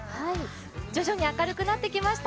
徐々に明るくなってきました。